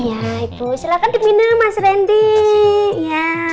iya itu silahkan diminum mas rendy